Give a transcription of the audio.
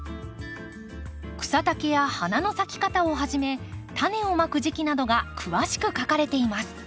草丈や花の咲き方をはじめタネをまく時期などが詳しく書かれています。